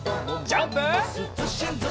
ジャンプ！